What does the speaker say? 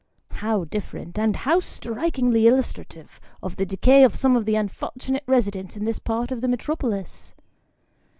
How dif ferent, and how strikingly illustrative of the decay of some of the unfortunate residents in this part of the metropolis!